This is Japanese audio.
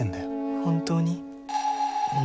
本当に？